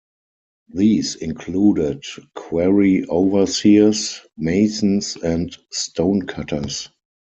These included quarry overseers, masons, and stonecutters.